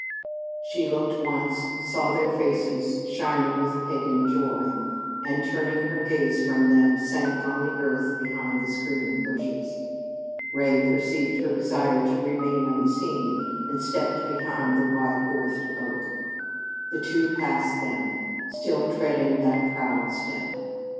She looked once, saw their faces shining with pagan joy, and, turning her gaze from them, sank on the earth behind the screen of bushes. Ray perceived her desire to remain unseen, and stepped behind the wide girthed oak. The two passed them, still treading that proud step.